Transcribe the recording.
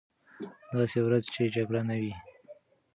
داسې ورځ چې جګړه نه وي.